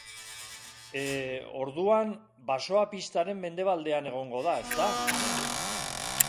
He... orduan, basoa pistaren mendebaldean egongo da, ezta?